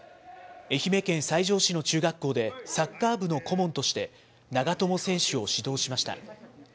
愛媛県西条市の中学校で、サッカー部の顧問として、長友選手を指導しました。